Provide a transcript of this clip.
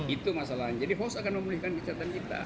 itu masalahnya jadi host akan memulihkan kesehatan kita